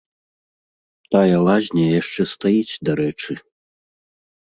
Тая лазня яшчэ стаіць, дарэчы.